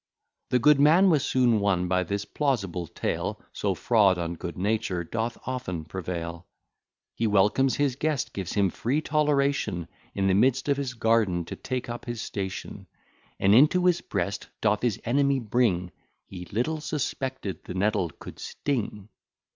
The good man was soon won by this plausible tale, So fraud on good nature doth often prevail. He welcomes his guest, gives him free toleration In the midst of his garden to take up his station, And into his breast doth his enemy bring, He little suspected the nettle could sting.